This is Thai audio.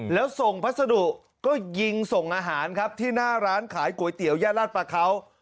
แล้วส่งพัสดุก็ยิงส่งอาหารครับที่หน้าร้านขายก๋วยเตี๋ยวย่าลาดประเขา